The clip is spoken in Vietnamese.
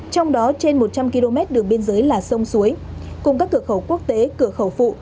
trong đó trên một trăm linh km đường biên giới là sông suối cùng các cửa khẩu quốc tế cửa khẩu phụ